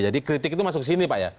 jadi kritik itu masuk sini pak ya